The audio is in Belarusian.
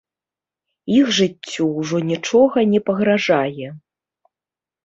Іх жыццю ўжо нічога не пагражае.